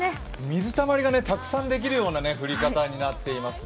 水たまりがたくさんできるような降り方になっています。